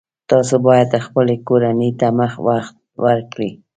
تاسو باید خپلې کورنۍ ته وخت ورکړئ